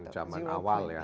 jaman awal ya